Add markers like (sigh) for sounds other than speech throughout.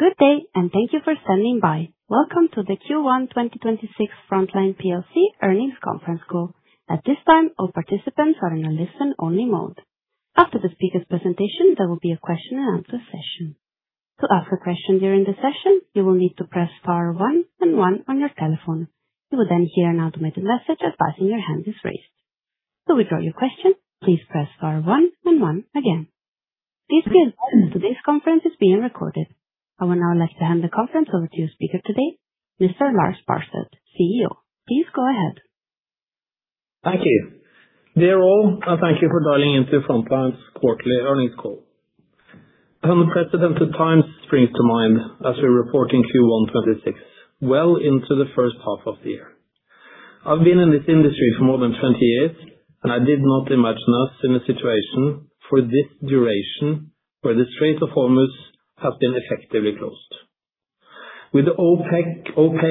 Good day. Thank you for standing by. Welcome to the Q1 2026 Frontline Plc Earnings Conference Call. At this time, all participants are in a listen-only mode. After the speaker's presentation, there will be a question-and-answer session. Please be advised that today's conference is being recorded. I would now like to hand the conference over to your speaker today, Mr. Lars Barstad, CEO. Please go ahead. Thank you. Dear all, and thank you for dialing into Frontline's Quarterly Earnings Call. Unprecedented times springs to mind as we report in Q1 2026, well into the first half of the year. I've been in this industry for more than 20 years, and I did not imagine us in a situation for this duration where the Strait of Hormuz has been effectively closed. With the OPEC, OK,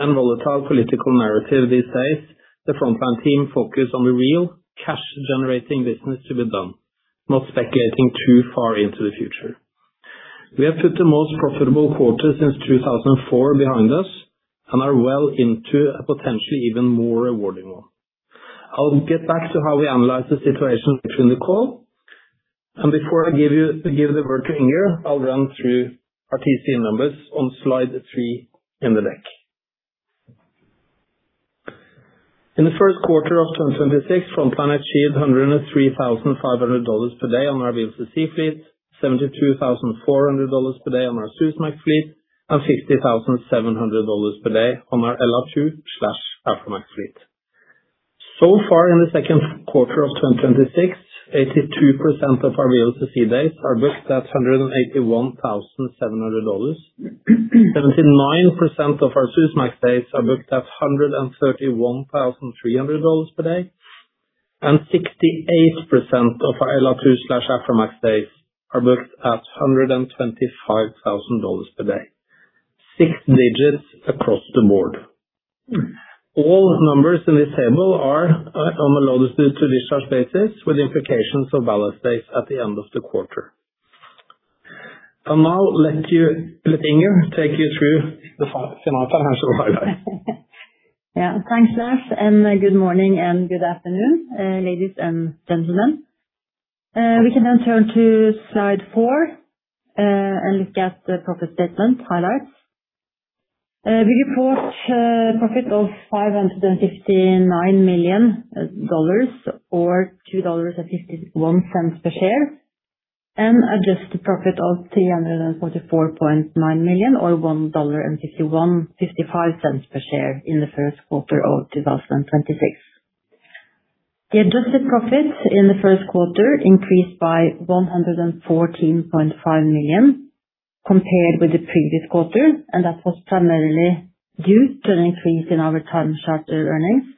and volatile political narrative these days, the Frontline team focus on the real cash-generating business to be done, not speculating too far into the future. We have put the most profitable quarter since 2004 behind us and are well into a potentially even more rewarding one. I will get back to how we analyze the situation between the call. Before I give the (inaudible) Inger, I'll run through our TC numbers on slide three in the deck. In the first quarter of 2026, Frontline achieved $103,500 per day on our VLCC fleet, $72,400 per day on our Suezmax fleet, and $50,700 per day on our LR2/Aframax fleet. Far in the second quarter of 2026, 82% of our VLCC days are booked at $181,700. 79% of our Suezmax days are booked at $131,300 per day, and 68% of our LR2/Aframax days are booked at $125,000 per day. Six digits across the board. All numbers in this table are on a loaded to discharge basis with implications of ballast days at the end of the quarter. I'll now let Inger take you through the financial highlights. Thanks, Lars, and good morning and good afternoon, ladies and gentlemen. We can turn to slide four and look at the profit statement highlights. We report a profit of $559 million, or $2.51 per share, and adjusted profit of $344.9 million or $1.55 per share in the first quarter of 2026. The adjusted profit in the first quarter increased by $114.5 million compared with the previous quarter, and that was primarily due to an increase in our time charter earnings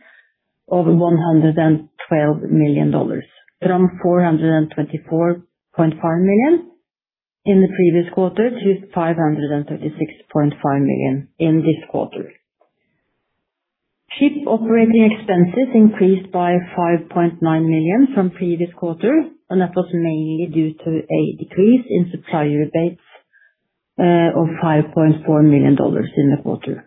of $112 million from $424.5 million in the previous quarter to $536.5 million in this quarter. Ship operating expenses increased by $5.9 million from previous quarter, and that was mainly due to a decrease in supplier rebates of $5.4 million in the quarter.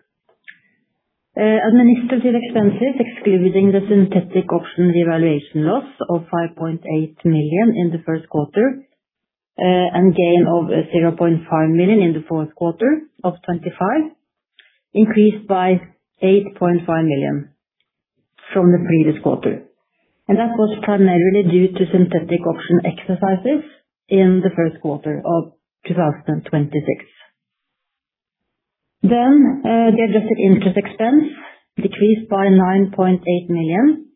Administrative expenses, excluding the synthetic option revaluation loss of $5.8 million in the first quarter and gain of $0.5 million in the fourth quarter of 2025, increased by $8.5 million from the previous quarter. That was primarily due to synthetic option exercises in the first quarter of 2026. The adjusted interest expense decreased by $9.8 million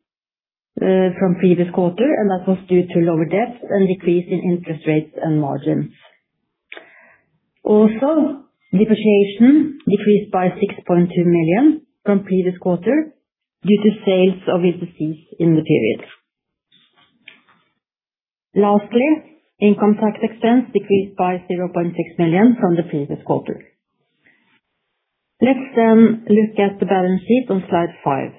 from previous quarter, and that was due to lower debt and decrease in interest rates and margins. Depreciation decreased by $6.2 million from previous quarter due to sales of VLCCs in the period. Lastly, income tax expense decreased by $0.6 million from the previous quarter. Let's then look at the balance sheet on slide five.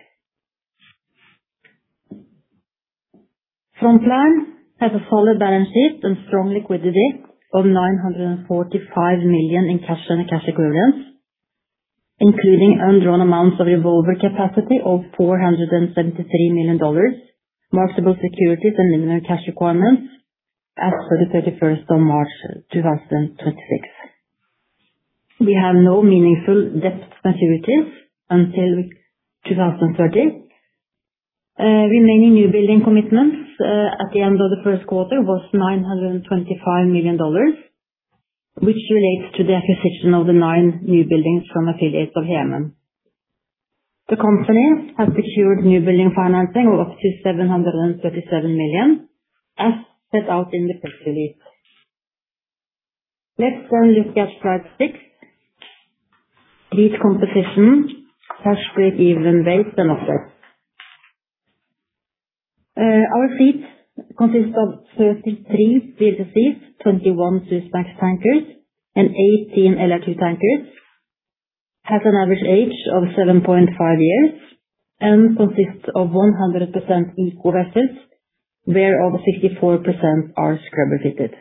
Frontline has a solid balance sheet and strong liquidity of $945 million in cash and cash equivalents, including undrawn amounts of revolver capacity of $473 million, marketable securities and minimum cash requirements as of the 31st of March 2026. We have no meaningful debt maturities until 2030. Remaining new building commitments at the end of the first quarter was $925 million, which relates to the acquisition of the nine new buildings from affiliates of Hemen. The company has secured new building financing of up to $737 million as set out in the press release. Let's look at slide 6, fleet composition. (inaudible) Our fleet consists of 33 VLCCs, 21 Suezmax tankers and 18 LR2 tankers. It has an average age of 7.5 years and consists of 100% ECO where over 54% are scrubber fitted.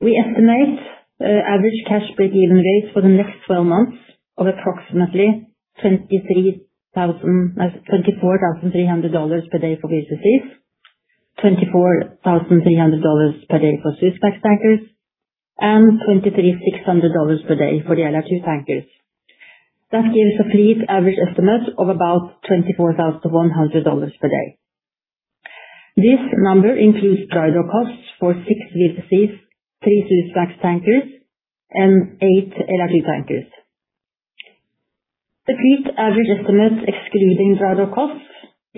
We estimate the average cash break-even rate for the next 12 months of approximately $24,300 per day for VLCCs, $24,300 per day for Suezmax tankers, and $23,600 per day for the LR2 tankers. That gives a fleet average estimate of about $24,100 per day. This number includes dry dock costs for six VLCCs, three Suezmax tankers, and eight LR2 tankers. The fleet average estimate excluding dry dock costs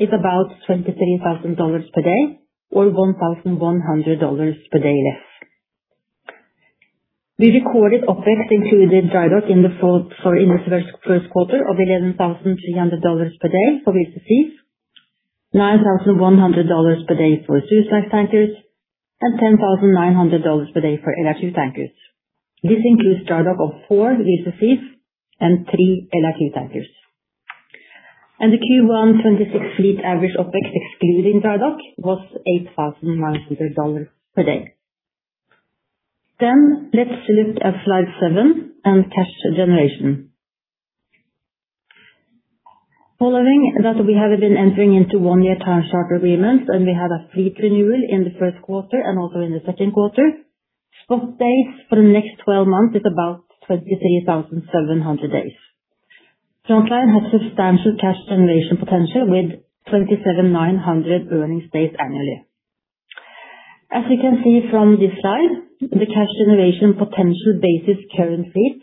is about $23,000 per day or $1,100 per day less. The recorded OpEx included dry dock in the first quarter of $11,300 per day for VLCCs, $9,100 per day for Suezmax tankers, and $10,900 per day for LR2 tankers. This includes dry dock of four VLCCs and three LR2 tankers. The Q1 2026 fleet average OpEx excluding dry dock was $8,900 per day. Let's look at slide seven on cash generation. Following that, we have been entering into one year time charter agreements, and we had a fleet renewal in the first quarter and also in the second quarter. Spot days for the next 12 months is about 23,700 days. Frontline has substantial cash generation potential with 27,900 earning days annually. As you can see from this slide, the cash generation potential basis current fleet,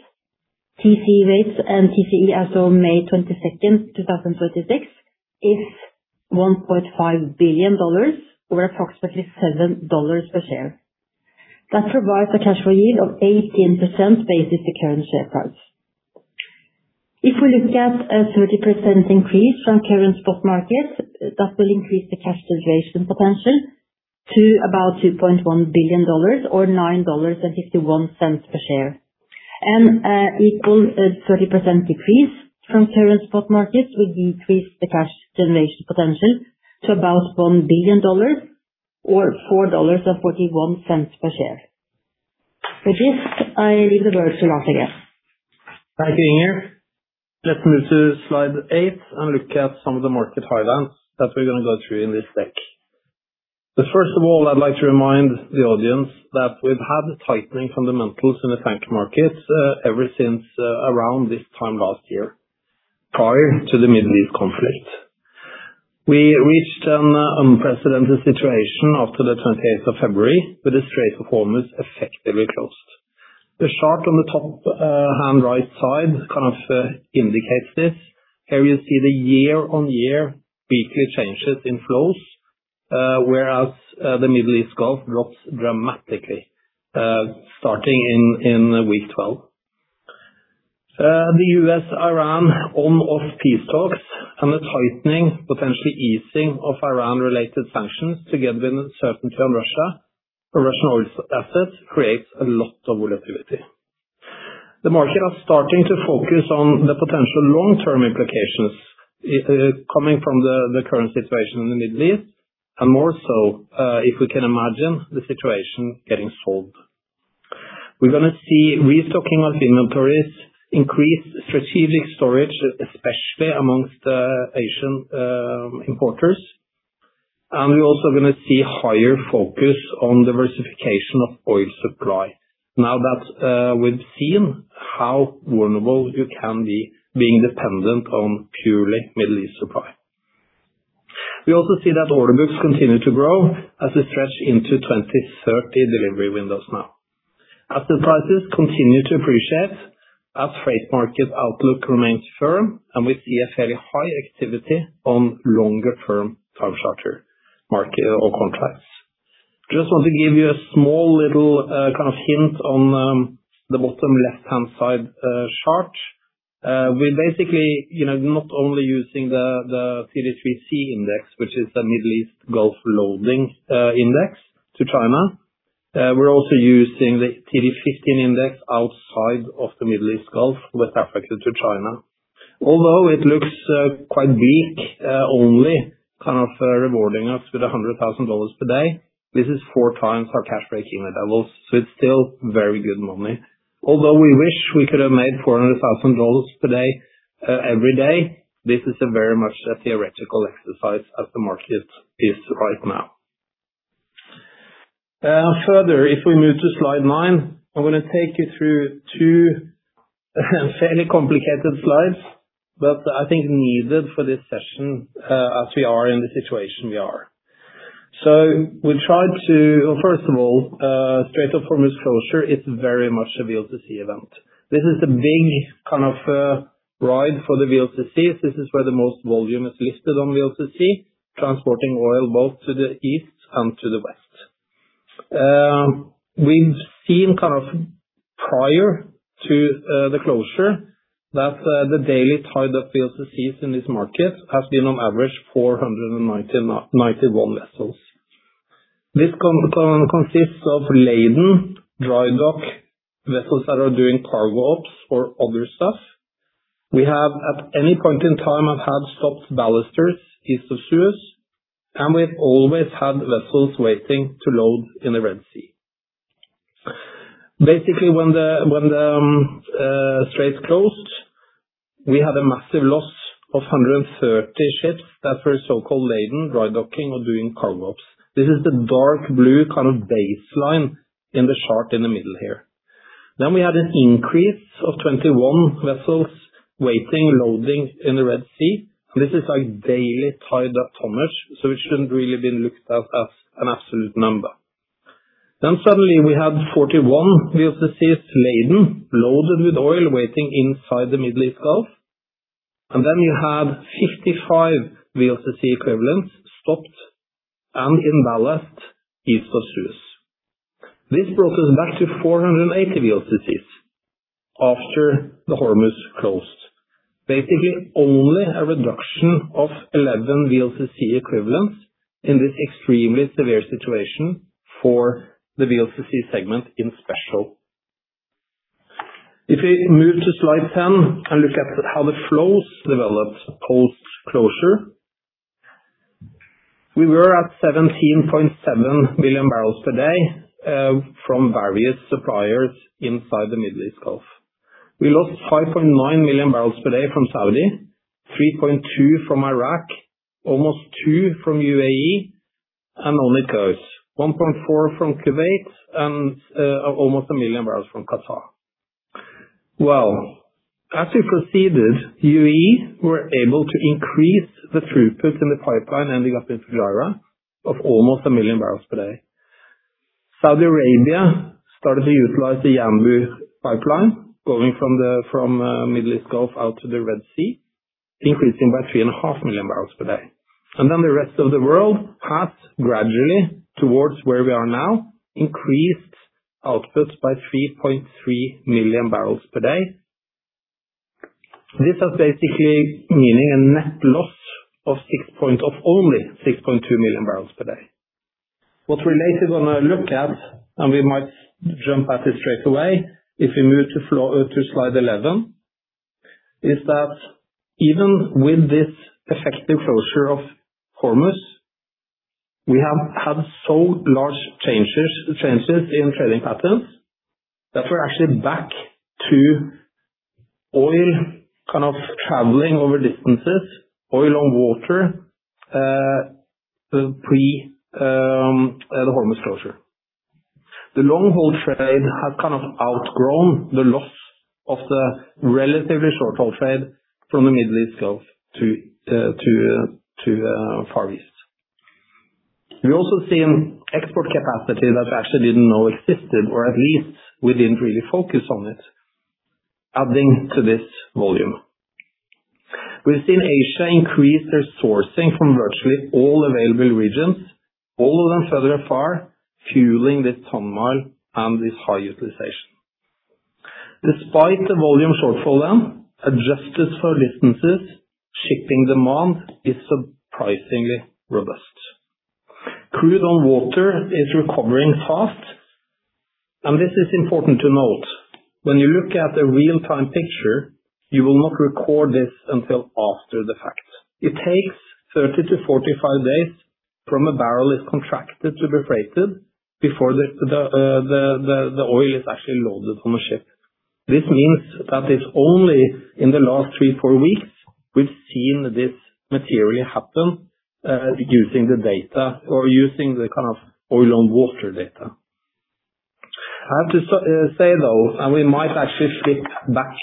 TC rates and TCE as of 22 May 2026, is $1.5 billion or approximately $7 per share. That provides a cash yield of 18% based on the current share price. If we look at a 30% increase from current spot markets, that will increase the cash generation potential to about $2.1 billion or $9.51 per share and equals a 30% decrease from current spot markets would decrease the cash generation potential to about $1 billion or $4.41 per share. With this, I leave the words to Lars Barstad again. Thank you, Inger. Let's move to slide eigth and look at some of the market highlights that we're going to go through in this deck. First of all, I'd like to remind the audience that we've had tightening fundamentals in the tank markets ever since around this time last year, prior to the Middle East conflict. We reached an unprecedented situation after the 28th of February with the Strait of Hormuz effectively closed. The chart on the top hand right side kind of indicates this. Here you see the year-over-year weekly changes in flows, whereas the Middle East Gulf drops dramatically, starting in week 12. The U.S.-Iran on-off peace talks and the tightening, potentially easing of Iran-related sanctions, together with certainty on Russia or Russian oil assets creates a lot of volatility. The market are starting to focus on the potential long-term implications coming from the current situation in the Middle East and more so if we can imagine the situation getting solved. We're going to see restocking of inventories, increased strategic storage, especially amongst Asian importers. We're also going to see higher focus on diversification of oil supply now that we've seen how vulnerable you can be being dependent on purely Middle East supply. We also see that order books continue to grow as they stretch into 2030 delivery windows now. As the prices continue to appreciate, as freight market outlook remains firm, and we see a fairly high activity on longer firm time charter market or contracts. Just want to give you a small little kind of hint on the bottom left-hand side chart. We're basically not only using the TD3C index, which is the Middle East Gulf loading index to China. We're also using the TD15 index outside of the Middle East Gulf West Africa to China. It looks quite bleak, only kind of rewarding us with $100,000 per day, this is 4x our cash break-even levels, so it's still very good money. We wish we could have made $400,000 per day every day, this is a very much a theoretical exercise as the market is right now. If we move to slide nine, I'm going to take you through two fairly complicated slides, but I think needed for this session, as we are in the situation we are. First of all, Strait of Hormuz closure is very much a VLCC event. This is the big kind of ride for the VLCC. This is where the most volume is listed on VLCC, transporting oil both to the east and to the west. We've seen kind of prior to the closure that the daily tied-up VLCC in this market has been on average 491 vessels. This consists of laden drydock vessels that are doing cargo ops or other stuff. We have, at any point in time, have had stopped ballasters east of Suez, and we've always had vessels waiting to load in the Red Sea. Basically, when the straits closed, we had a massive loss of 130 ships that were so-called laden drydocking or doing cargo ops. This is the dark blue baseline in the chart in the middle here. We had an increase of 21 vessels waiting, loading in the Red Sea. This is a daily tied up tonnage, so it shouldn't really be looked at as an absolute number. Suddenly we had 41 VLCCs laden, loaded with oil, waiting inside the Middle East Gulf. You had 55 VLCC equivalents stopped and in ballast east of Suez. This brought us back to 480 VLCCs after the Hormuz closed. Basically, only a reduction of 11 VLCC equivalents in this extremely severe situation for the VLCC segment in special. If we move to slide 10 and look at how the flows developed post-closure. We were at 17.7 billion barrels per day, from various suppliers inside the Middle East Gulf. We lost 5.9 million barrels per day from Saudi, 3.2 from Iraq, almost two from UAE, and on it goes. 1.4 from Kuwait and almost one million barrels from Qatar. As we proceeded, UAE were able to increase the throughput in the pipeline ending up in Fujairah of almost one million barrels per day. Saudi Arabia started to utilize the Yanbu pipeline going from Middle East Gulf out to the Red Sea, increasing by 3.5 million barrels per day. The rest of the world has gradually, towards where we are now, increased outputs by 3.3 million barrels per day. This has basically meaning a net loss of only 6.2 million barrels per day. What we're later going to look at, and we might jump at it straight away, if we move to slide 11, is that even with this effective closure of Hormuz, we have had so large changes in trading patterns that we're actually back to oil traveling over distances, oil on water, pre the Hormuz closure. The long-haul trade has outgrown the loss of the relatively short-haul trade from the Middle East Gulf to Far East. We've also seen export capacity that we actually didn't know existed, or at least we didn't really focus on it, adding to this volume. We've seen Asia increase their sourcing from virtually all available regions, all of them further afar, fueling this ton mile and this high utilization. Despite the volume shortfall then, adjusted for distances, shipping demand is surprisingly robust. Crude on water is recovering fast, and this is important to note. When you look at a real-time picture, you will not record this until after the fact. It takes 30-45 days from a barrel is contracted to be freighted before the oil is actually loaded on a ship. This means that it's only in the last three, four weeks we've seen this material happen, using the data or using the oil on water data. I have to say, though, we might actually flip back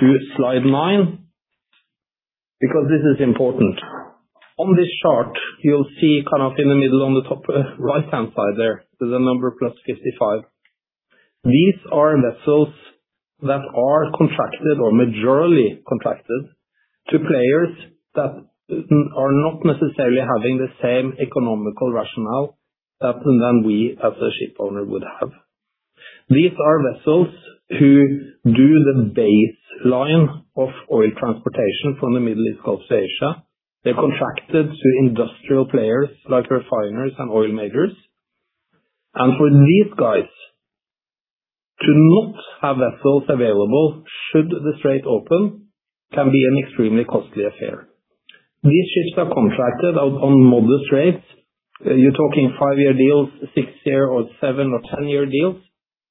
to slide nine, because this is important. On this chart, you'll see in the middle on the top right-hand side there, the number +55. These are vessels that are contracted or majorly contracted to players that are not necessarily having the same economic rationale that then we as a ship owner would have. These are vessels that do the baseline of oil transportation from the Middle East Gulf to Asia. They're contracted to industrial players like refiners and oil majors. For these guys to not have vessels available should the strait open, can be an extremely costly affair. These ships are contracted out on modest rates. You're talking five year deals, six year or seven or 10-year deals,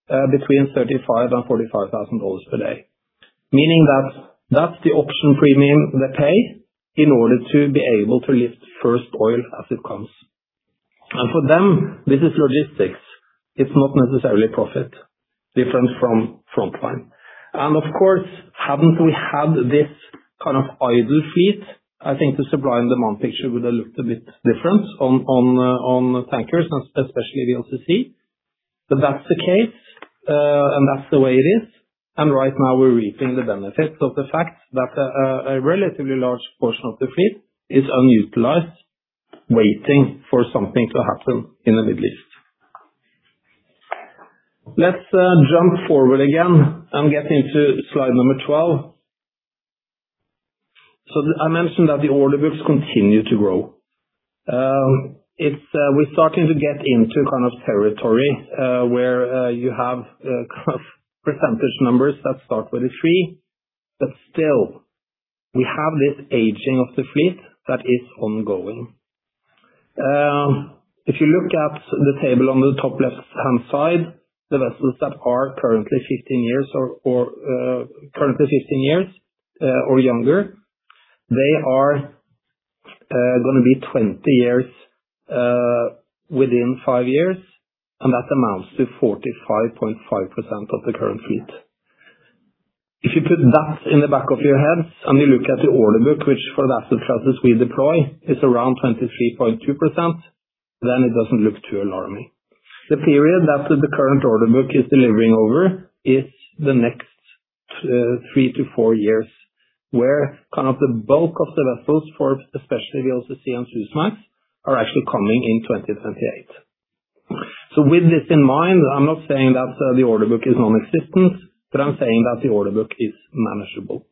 between $35,000 and $45,000 per day. Meaning that's the option premium they pay in order to be able to lift first oil as it comes. For them, this is logistics. It's not necessarily profit, different from Frontline. Of course, hadn't we had this kind of idle fleet, I think the supply and demand picture would have looked a bit different on tankers and especially VLCC. That's the case, that's the way it is, right now, we're reaping the benefits of the fact that a relatively large portion of the fleet is unutilized, waiting for something to happen in the Middle East. Let's jump forward again and get into slide number 12. I mentioned that the order books continue to grow. We're starting to get into a kind of territory, where you have kind of percentage numbers that start with a three, but still, we have this aging of the fleet that is ongoing. If you look at the table on the top left-hand side, the vessels that are currently 15 years or younger, they are going to be 20 years within five years, and that amounts to 45.5% of the current fleet. If you put that in the back of your head and you look at the order book, which for the asset classes we deploy is around 23.2%, it doesn't look too alarming. The period that the current order book is delivering over is the next three to four years, where kind of the bulk of the vessels for especially VLCC and Suezmax are actually coming in 2028. With this in mind, I'm not saying that the order book is non-existent, but I'm saying that the order book is manageable.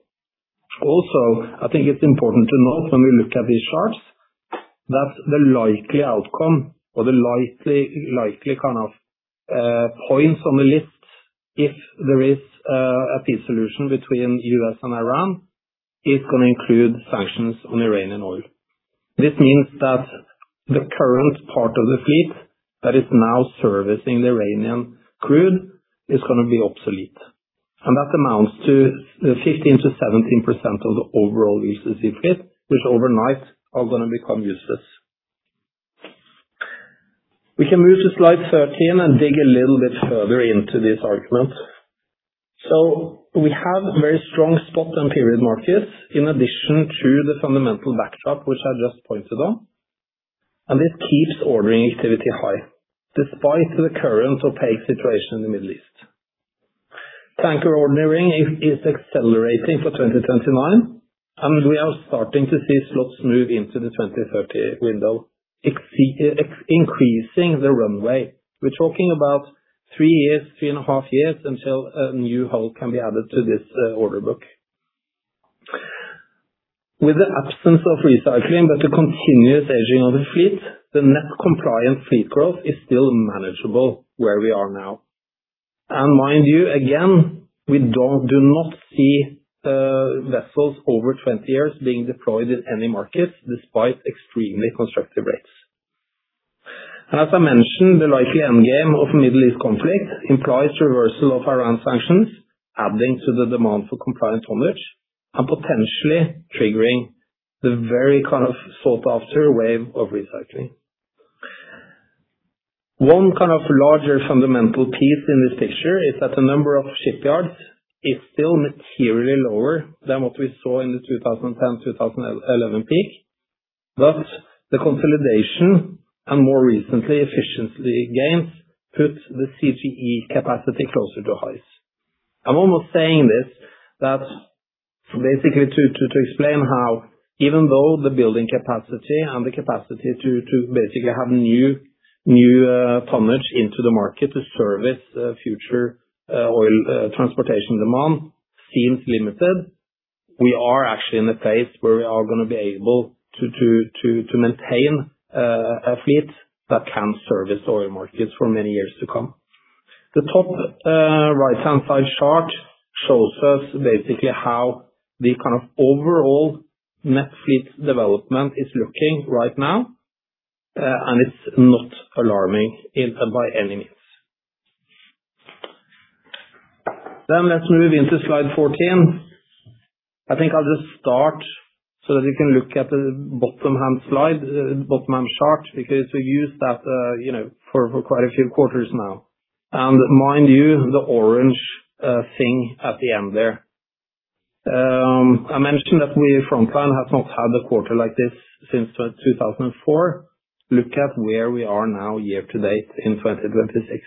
I think it's important to note when we look at these charts that the likely outcome or the likely kind of points on the list, if there is a peace solution between U.S. and Iran, is going to include sanctions on Iranian oil. This means that the current part of the fleet that is now servicing the Iranian crude is going to be obsolete, and that amounts to 15%-17% of the overall VLCC fleet which overnight are going to become useless. We can move to slide 13 and dig a little bit further into this argument. We have very strong spot and period markets in addition to the fundamental backdrop which I just pointed on, and this keeps ordering activity high despite the current opaque situation in the Middle East. Tanker ordering is accelerating for 2029 and we are starting to see slots move into the 2030 window, increasing the runway. We're talking about three years, three and a half years until a new hull can be added to this order book. With the absence of recycling but the continuous aging of the fleet, the net compliant fleet growth is still manageable where we are now. Mind you, again, we do not see vessels over 20 years being deployed in any markets despite extremely constructive rates. As I mentioned, the likely end game of Middle East conflict implies reversal of Iran sanctions adding to the demand for compliant tonnage and potentially triggering the very kind of sought-after wave of recycling. One kind of larger fundamental piece in this picture is that the number of shipyards is still materially lower than what we saw in the 2010-2011 peak. The consolidation and more recently efficiency gains put the TCE capacity closer to highs. I'm almost saying this that basically to explain how even though the building capacity and the capacity to basically have new tonnage into the market to service future oil transportation demand seems limited, we are actually in a place where we are going to be able to maintain a fleet that can service oil markets for many years to come. The top right-hand side chart shows us basically how the kind of overall net fleet development is looking right now, and it's not alarming by any means. Let's move into slide 14. I think I'll just start so that we can look at the bottom hand slide, bottom hand chart, because we use that for quite a few quarters now. Mind you, the orange thing at the end there. I mentioned that we at Frontline has not had a quarter like this since 2004. Look at where we are now year to date in 2026.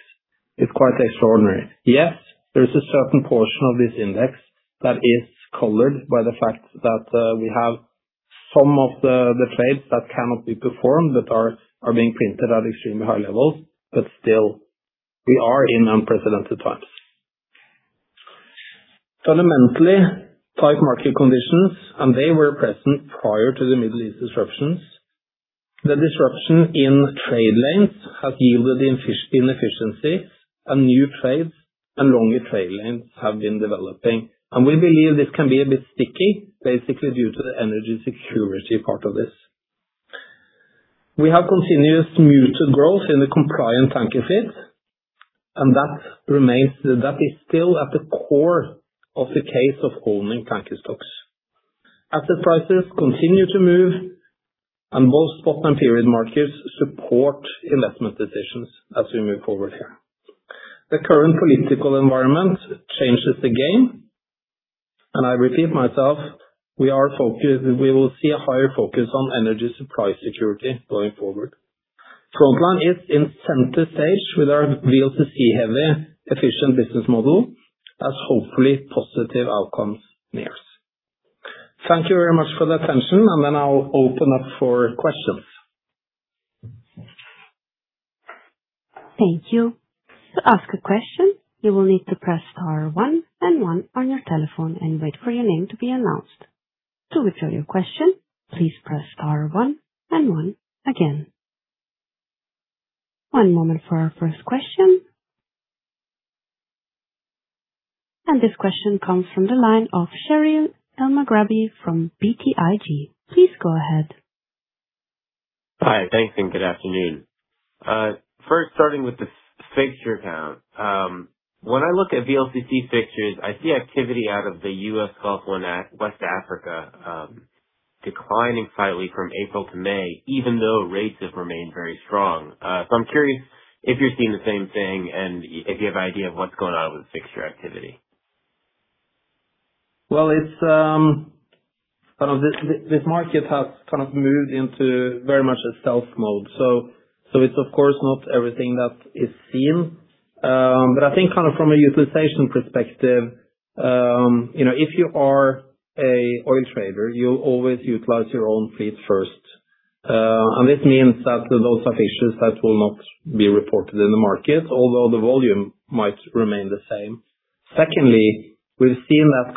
It's quite extraordinary. Yes, there is a certain portion of this index that is colored by the fact that we have some of the trades that cannot be performed that are being printed at extremely high levels, but still, we are in unprecedented times. Fundamentally, tight market conditions and they were present prior to the Middle East disruptions. The disruption in trade lanes has yielded inefficiency and new trades and longer trade lanes have been developing. We believe this can be a bit sticky, basically due to the energy security part of this. We have continuous muted growth in the compliant tanker fleet. That is still at the core of the case of holding tanker stocks. Asset prices continue to move. Both spot and period markets support investment decisions as we move forward here. The current political environment changes the game. I repeat myself, we will see a higher focus on energy supply security going forward. Frontline is in center stage with our VLCC-heavy efficient business model as hopefully positive outcomes mix. Thank you very much for the attention. Then I'll open up for questions. Thank you. To ask a question, you will need to press star one then one on your telephone and wait for your name to be announced. To withdraw your question, please press star one then one again. One moment for our first question. This question comes from the line of Sherif Elmaghrabi from BTIG. Please go ahead. Hi. Thanks, good afternoon. First, starting with the fixture count. When I look at VLCC fixtures, I see activity out of the U.S. Gulf West Africa declining slightly from April to May, even though rates have remained very strong. I'm curious if you're seeing the same thing and if you have idea of what's going on with fixture activity. Well, this market has moved into very much a stealth mode. It's of course not everything that is seen. I think from a utilization perspective, if you are a oil trader, you always utilize your own fleet first. This means that those are issues that will not be reported in the market, although the volume might remain the same. Secondly, we've seen that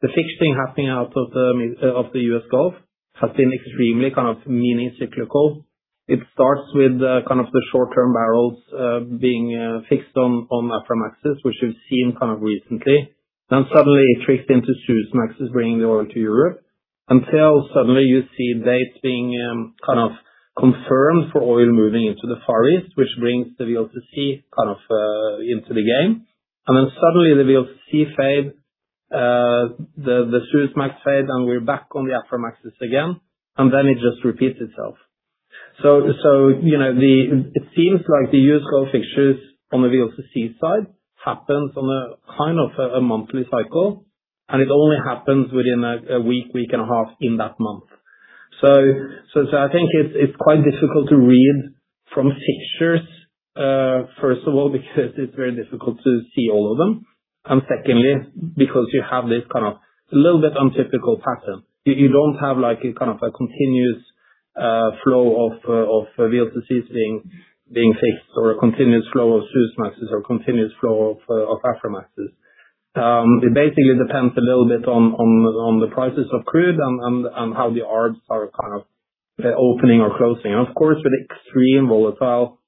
the fixing happening out of the U.S. Gulf has been extremely meaning cyclical. It starts with the short-term barrels being fixed on Aframaxes, which we've seen recently. Suddenly it tracks into Suezmaxes bringing the oil to Europe, until suddenly you see dates being confirmed for oil moving into the Far East, which brings the VLCC into the game. Suddenly the VLCC fade, the Suezmax fade, we're back on the Aframaxes again. It just repeats itself. It seems like the U.S. Gulf fixtures on the VLCC side happens on a monthly cycle, and it only happens within a week and a half in that month. I think it's quite difficult to read from fixtures, first of all, because it's very difficult to see all of them, and secondly, because you have this little bit untypical pattern. You don't have a continuous flow of VLCCs being fixed or a continuous flow of Suezmaxes or continuous flow of Aframaxes. It basically depends a little bit on the prices of crude and how the arbs are opening or closing. Of course, with extreme volatile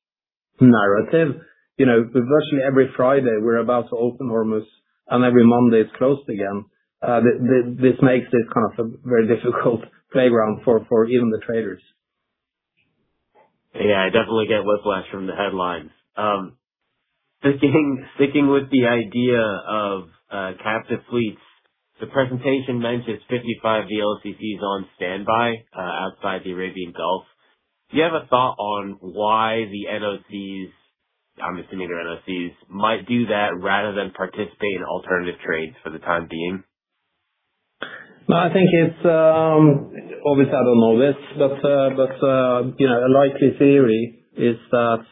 narrative, virtually every Friday, we're about to open Hormuz, and every Monday it's closed again. This makes this a very difficult playground for even the traders. Yeah, I definitely get whiplash from the headlines. Sticking with the idea of captive fleets, the presentation mentions 55 VLCCs on standby outside the Arabian Gulf. Do you have a thought on why the NOCs, I'm assuming they're NOCs, might do that rather than participate in alternative trades for the time being? No, I think it's, obviously I don't know this, but a likely theory is that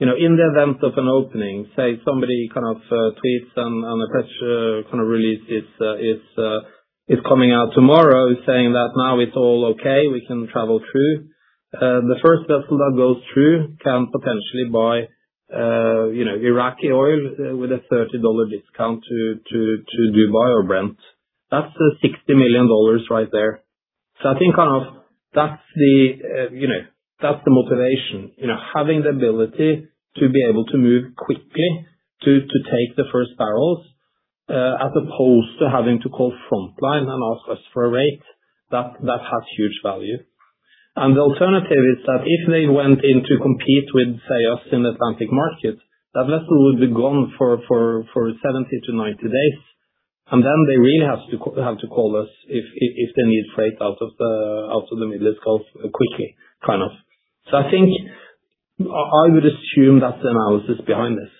in the event of an opening, say, somebody tweets and a press release is coming out tomorrow saying that now it's all okay, we can travel through. The first vessel that goes through can potentially buy Iraqi oil with a $30 discount to Dubai or Brent. That's $60 million right there. I think that's the motivation. Having the ability to be able to move quickly to take the first barrels, as opposed to having to call Frontline and ask us for a rate. That has huge value. The alternative is that if they went in to compete with, say, us in Atlantic market, that vessel would be gone for 70-90 days, and then they really have to call us if they need freight out of the Middle East Gulf quickly. I think, I would assume that's the analysis behind this.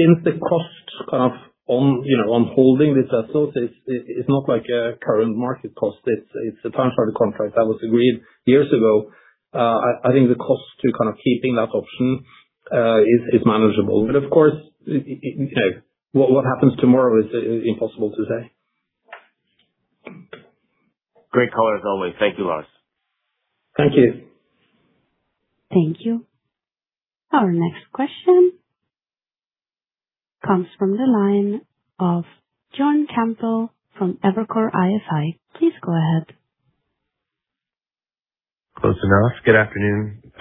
Since the cost on holding these vessels, it's not like a current market cost. It's a time charter contract that was agreed years ago. I think the cost to keeping that option is manageable. Of course, what happens tomorrow is impossible to say. Great call as always. Thank you, Lars. Thank you. Thank you. Our next question comes from the line of Jon Chappell from Evercore ISI. Please go ahead. Close enough. Good afternoon,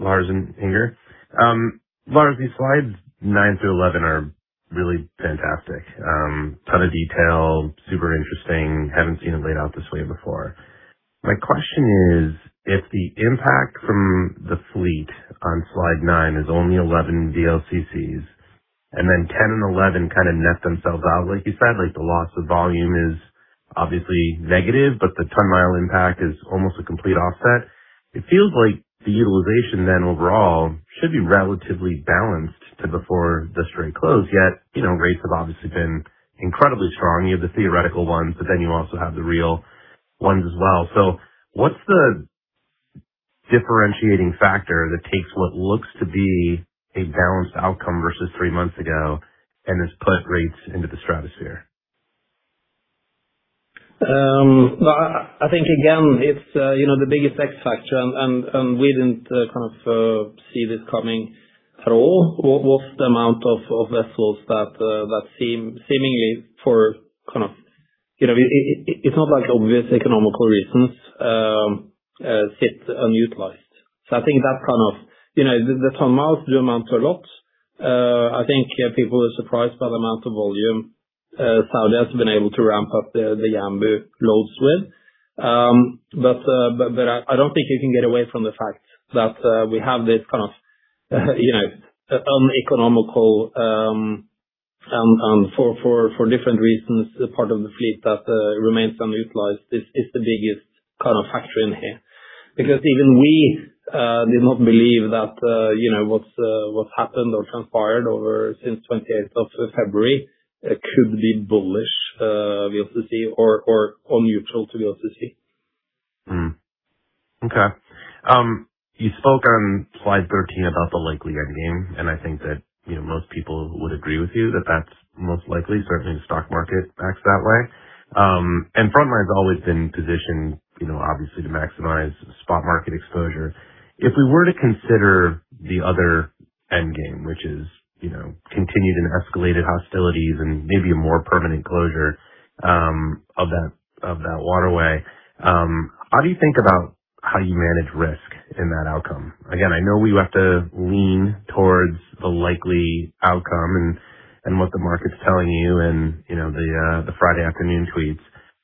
Lars Barstad and Inger Klemp. Lars Barstad, the slides nine through 11 are really fantastic. Ton of detail, super interesting. Haven't seen it laid out this way before. My question is, if the impact from the fleet on slide nine is only 11 VLCCs, and then 10 and 11 net themselves out, like you said, the loss of volume is obviously negative, but the ton mile impact is almost a complete offset. It feels like the utilization then overall should be relatively balanced to before the strait closed, yet rates have obviously been incredibly strong. You have the theoretical ones, but then you also have the real ones as well. What's the differentiating factor that takes what looks to be a balanced outcome versus three months ago and has put rates into the stratosphere. I think, again, the biggest X factor, we didn't see this coming at all, was the amount of vessels that seemingly for It's not like obvious economical reasons sit unutilized. I think that the ton miles do amount to a lot. I think people are surprised by the amount of volume Saudi has been able to ramp up the Yanbu loads with. I don't think you can get away from the fact that we have this uneconomical, for different reasons, part of the fleet that remains unutilized is the biggest factor in here. Even we did not believe that what's happened or transpired over since 28th of February could be bullish VLCC or all neutral to VLCC. Okay. You spoke on slide 13 about the likely end game. I think that most people would agree with you that that's most likely, certainly the stock market acts that way. Frontline has always been positioned, obviously, to maximize spot market exposure. If we were to consider the other end game, which is continued and escalated hostilities and maybe a more permanent closure of that waterway, how do you think about how you manage risk in that outcome? Again, I know we have to lean towards the likely outcome and what the market's telling you and the Friday afternoon tweets.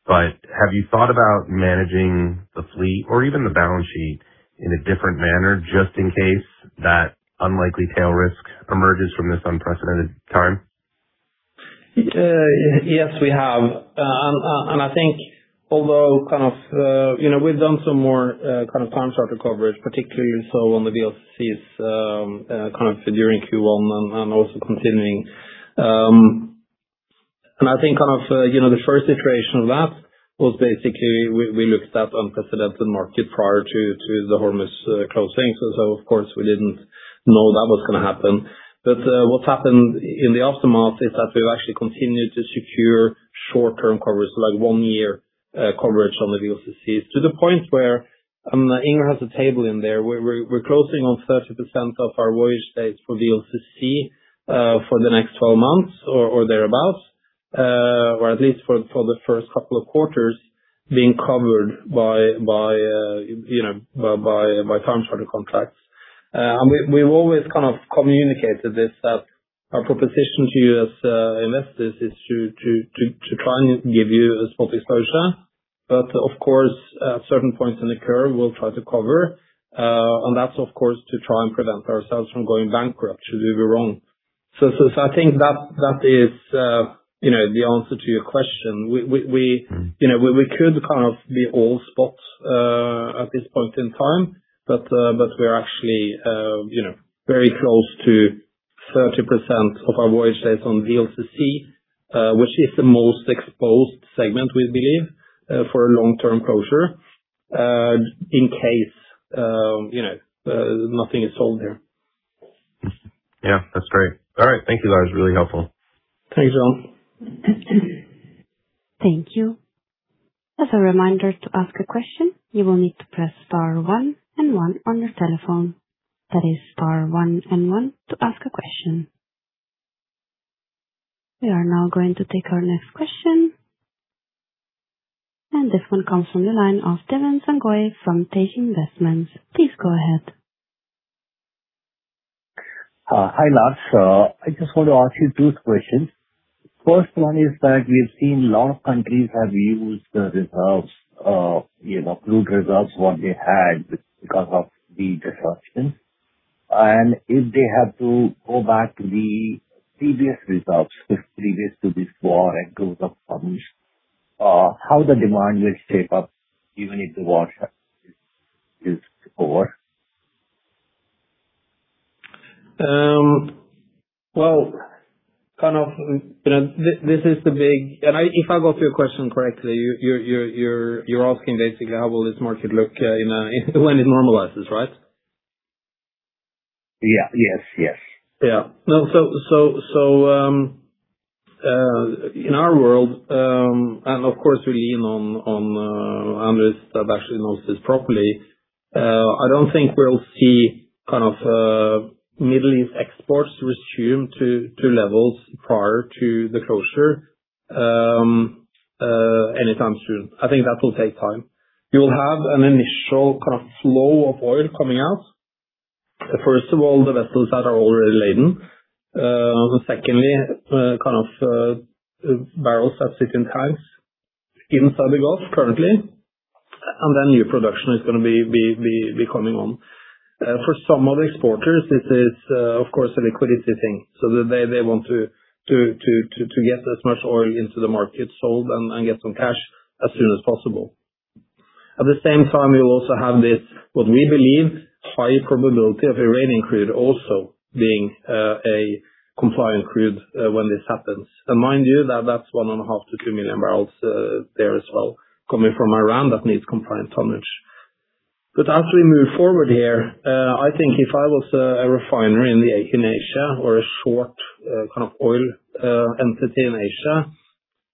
Have you thought about managing the fleet or even the balance sheet in a different manner just in case that unlikely tail risk emerges from this unprecedented time? Yes, we have. I think although we've done some more time charter coverage, particularly so on the VLCC during Q1 and also continuing. I think the first iteration of that was basically we looked at unprecedented market prior to the Hormuz closing. Of course we didn't know that was going to happen. What happened in the aftermath is that we've actually continued to secure short-term coverage, like one year coverage on the VLCCs to the point where, and Inger has a table in there. We're closing on 30% of our voyage dates for VLCC for the next 12 months or thereabout, or at least for the first couple of quarters being covered by time charter contracts. We've always communicated this, that our proposition to you as investors is to try and give you a spot exposure. Of course, at certain points in the curve, we'll try to cover, and that's of course to try and prevent ourselves from going bankrupt should we be wrong. I think that is the answer to your question. We could be all spots at this point in time, but we are actually very close to 30% of our voyage dates on VLCC, which is the most exposed segment we believe, for a long-term closure, in case nothing is sold there. Yeah, that's great. All right. Thank you, Lars. Really helpful. Thanks, all. Thank you. As a reminder, to ask a question, you will need to press star one and one on your telephone. That is star one and one to ask a question. We are now going to take our next question. This one comes from the line of Deven Sangoi from Tej Investments. Please go ahead. Hi, Lars. I just want to ask you two questions. First one is that we've seen a lot of countries have used the reserves, crude reserves what they had because of the disruption. If they have to go back to the previous results, previous to this war and [ianudible], how the demand will shape up even if the war is over? Well, if I got your question correctly, you're asking basically how will this market look when it normalizes, right? Yeah. Yes. Yeah. In our world, and of course we lean on analyst that actually knows this properly, I don't think we'll see Middle East exports resume to levels prior to the closure anytime soon. I think that will take time. You will have an initial flow of oil coming out. First of all, the vessels that are already laden. Secondly, barrels that sit in tanks inside the Gulf currently, and then new production is going to be coming on. For some of the exporters, this is, of course, a liquidity thing. They want to get as much oil into the market sold and get some cash as soon as possible. At the same time, we will also have this, what we believe, high probability of Iranian crude also being a compliant crude when this happens. Mind you, that that's 1.5 million to two million barrels there as well coming from Iran that needs compliant tonnage. As we move forward here, I think if I was a refinery in the Asia or a short oil entity in Asia,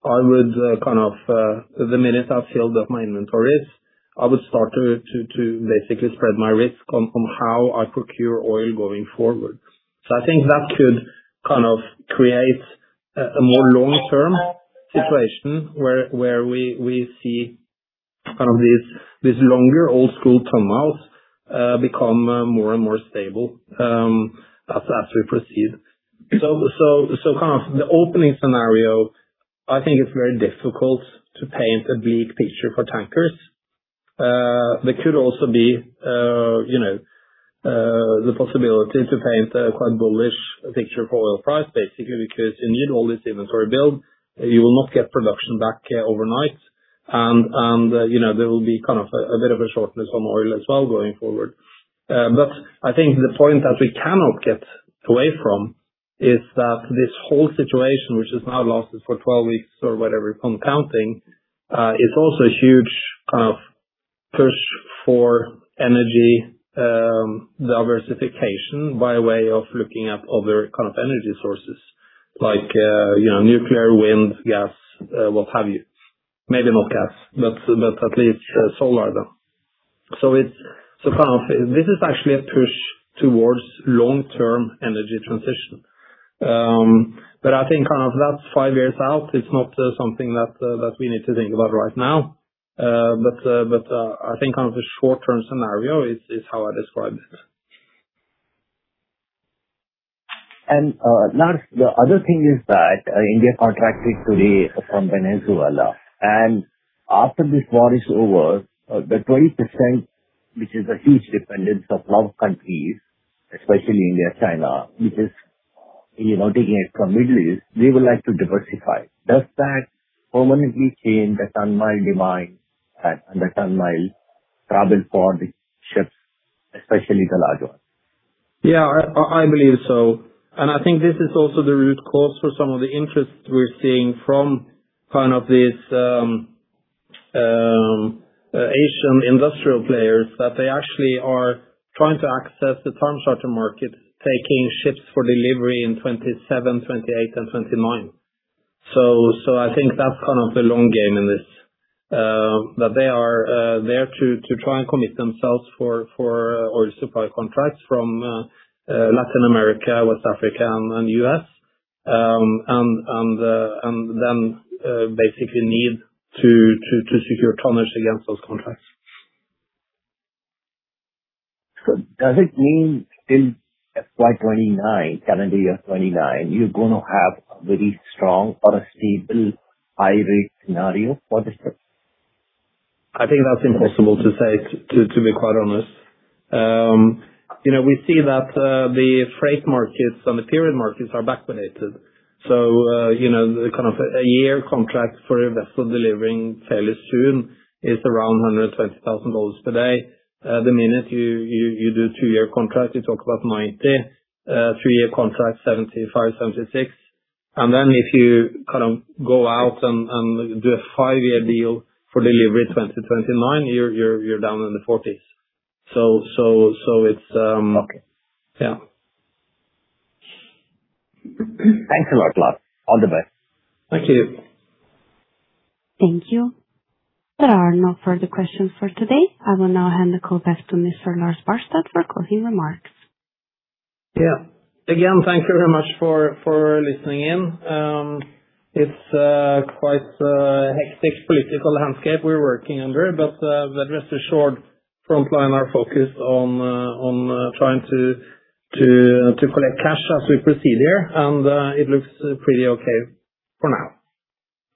the minute I filled up my inventories, I would start to basically spread my risk on how I procure oil going forward. I think that could create a more long-term situation where we see these longer old school ton miles become more and more stable as we proceed. The opening scenario, I think it's very difficult to paint a bleak picture for tankers. There could also be the possibility to paint a quite bullish picture for oil price, basically, because you need all this inventory build. You will not get production back overnight, and there will be a bit of a shortness on oil as well going forward. I think the point that we cannot get away from is that this whole situation, which has now lasted for 12 weeks or whatever, if I'm counting, is also a huge push for energy diversification by way of looking at other energy sources like nuclear, wind, gas, what have you. Maybe not gas, but at least solar, though. This is actually a push towards long-term energy transition. I think that's five years out. It's not something that we need to think about right now. I think the short-term scenario is how I described it. Lars, the other thing is that India contracted today from Venezuela, and after this war is over, the 20%, which is a huge dependence of a lot of countries, especially India, China, which is now taking it from Middle East, they would like to diversify. Does that permanently change the ton mile demand and the ton mile travel for the ships, especially the large ones? Yeah, I believe so, and I think this is also the root cause for some of the interest we're seeing from these Asian industrial players, that they actually are trying to access the term charter market, taking ships for delivery in 2027, 2028, and 2029. I think that's the long game in this, that they are there to try and commit themselves for oil supply contracts from Latin America, West Africa, and U.S., and then basically need to secure tonnage against those contracts. Does it mean till FY 2029, calendar year 2029, you're going to have a very strong or a stable high rate scenario for this ship? I think that's impossible to say, to be quite honest. We see that the freight markets and the period markets are backdated. A one year contract for a vessel delivering fairly soon is around $120,000 per day. The minute you do a two year contract, you talk about $90,000, three year contract, $75,000, $76,000. If you go out and do a five year deal for delivery 2029, you're down in the $40s. Okay. Yeah. Thanks a lot, Lars. All the best. Thank you. Thank you. There are no further questions for today. I will now hand the call back to Mr. Lars Barstad for closing remarks. Yeah. Again, thank you very much for listening in. It's quite a hectic political landscape we're working under. Rest assured, Frontline are focused on trying to collect cash as we proceed here, and it looks pretty okay for now.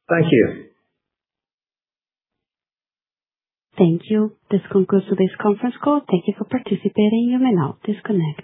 Thank you. Thank you. This concludes today's conference call. Thank you for participating. You may now disconnect.